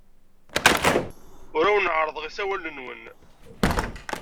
Ur awen-ɛerrḍeɣ isawalen-nwen.